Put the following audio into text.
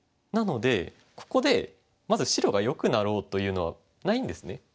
なのでここでまず白がよくなろうというのはないんですね。